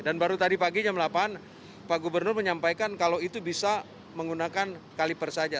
dan baru tadi pagi jam delapan pak gubernur menyampaikan kalau itu bisa menggunakan caliver saja